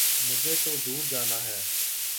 مجھے تو دور جانا ہے